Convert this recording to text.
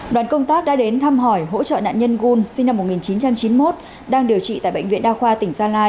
đoàn công tác đã đến thăm hỏi hỗ trợ nạn nhân gun sinh năm một nghìn chín trăm chín mươi một đang điều trị tại bệnh viện đa khoa tỉnh gia lai